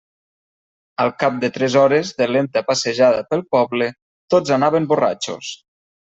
Al cap de tres hores de lenta passejada pel poble, tots anaven borratxos.